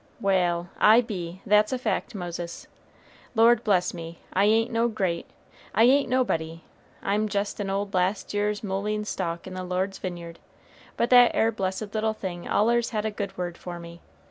"Wal', I be, that's a fact, Moses. Lord bless me, I ain't no great I ain't nobody I'm jest an old last year's mullein stalk in the Lord's vineyard; but that 'ere blessed little thing allers had a good word for me.